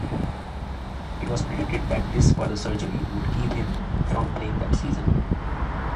It was predicted that this further surgery would keep him from playing that season.